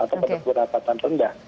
atau berpendapatan rendah